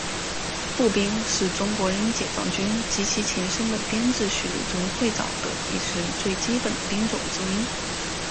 步兵是中国人民解放军及其前身的编制序列中最早的也是最基本的兵种之一。